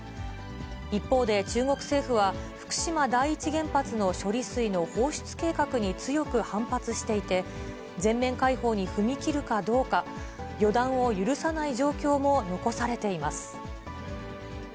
一方で中国政府は、福島第一原発の処理水の放出計画に強く反発していて、全面開放に踏み切るかどうか、予断を許さない状況も残されています。